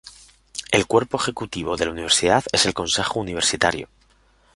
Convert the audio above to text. El cuerpo ejecutivo de la universidad es el Consejo Universitario.